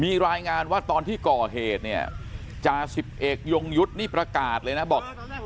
มีรายงานว่าตอนที่ก่อเหตุเนี่ยจาสิบเอกยงยุทธ์นี่ประกาศเลยนะบอก